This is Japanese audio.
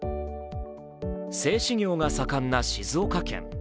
製紙業が盛んな静岡県。